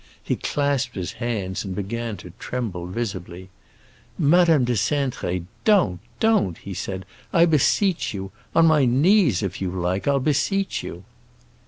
He clasped his hands and began to tremble, visibly. "Madame de Cintré, don't, don't!" he said. "I beseech you! On my knees, if you like, I'll beseech you."